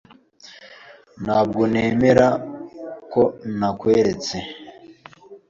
Ntabwo nemera ko nakweretse.